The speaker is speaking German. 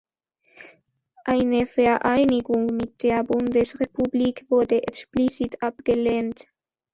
Eine Vereinigung mit der Bundesrepublik wurde explizit abgelehnt.